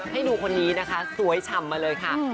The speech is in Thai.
ให้ดูคนนี้นะคะสวยฉ่ำมาเลยค่ะ